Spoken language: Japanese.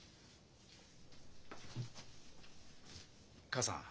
母さん。